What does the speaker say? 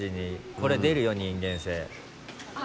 これ出るよ人間性。